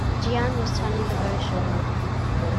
Jeanne was turning the bow shoreward.